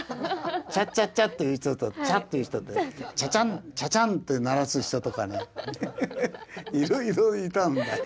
チャッチャッチャッという人とチャッという人とチャチャンチャチャンと鳴らす人とかねいろいろいたんだよ。